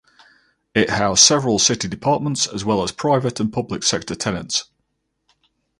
It housed several City departments as well as private and public sector tenants.